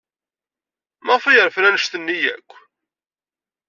Maɣef ay rfan anect-nni akk?